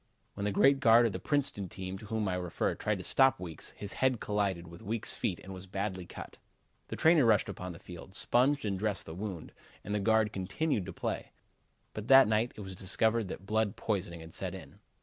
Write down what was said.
When the great guard of the Princeton team to whom I refer tried to stop Weekes, his head collided with Weekes' feet and was badly cut. The trainer rushed upon the field, sponged and dressed the wound and the guard continued to play. But that night it was discovered that blood poisoning had set in.